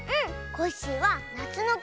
コッシーはなつのき。